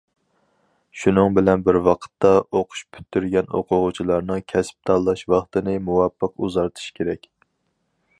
شۇنىڭ بىلەن بىر ۋاقىتتا، ئوقۇش پۈتتۈرگەن ئوقۇغۇچىلارنىڭ كەسىپ تاللاش ۋاقتىنى مۇۋاپىق ئۇزارتىش كېرەك.